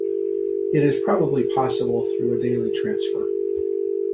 It is probably possible through a daily transfer.